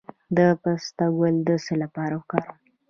د پسته ګل د څه لپاره وکاروم؟